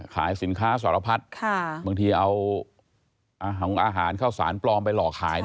ขายสินค้าสารพัดบางทีเอาอาหารข้าวสารปลอมไปหลอกขาย